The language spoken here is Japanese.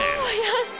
やった！